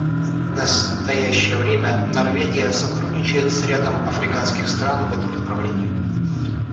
В настоящее время Норвегия сотрудничает с рядом африканских стран в этом направлении.